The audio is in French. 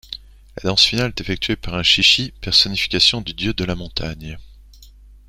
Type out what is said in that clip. La danse finale est effectuée par un shishi, personnification du dieu de la montagne.